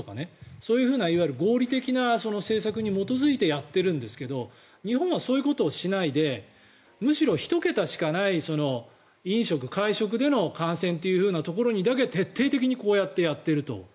そういういわゆる合理的な政策に基づいてやっているんですけど日本はそういうことをしないでむしろ、１桁しかない飲食、会食での感染というところにだけ徹底的にこうやってやっていると。